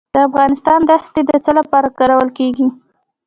د افغانستان دښتې د څه لپاره کارول کیږي؟